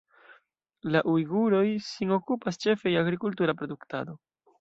La ujguroj sin okupas ĉefe je agrikultura produktado.